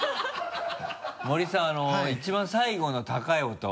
森さん一番最後の高い音。